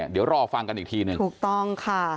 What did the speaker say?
เดี๋ยวรอฟังกันอีกทีหนึ่ง